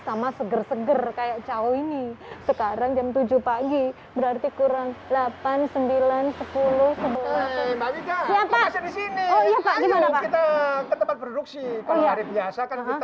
sama seger seger kayak cowok ini sekarang jam tujuh pagi berarti kurang delapan puluh sembilan sepuluh sebelas